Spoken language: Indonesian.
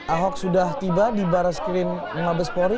ahok sudah tiba di barreskrim mabespori